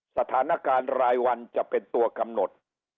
สถานการณ์รายวันจะเป็นตัวกำหนด